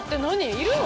いるの？